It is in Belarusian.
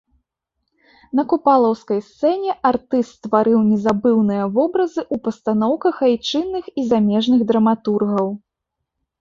На купалаўскай сцэне артыст стварыў незабыўныя вобразы ў пастаноўках айчынных і замежных драматургаў.